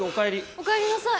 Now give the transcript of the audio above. おかえりなさい。